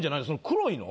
黒いの？